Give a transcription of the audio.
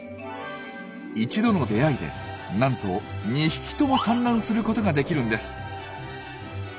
１度の出会いでなんと２匹とも産卵することができるんです！